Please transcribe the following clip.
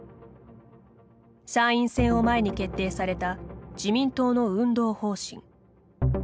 参院選を前に決定された自民党の運動方針。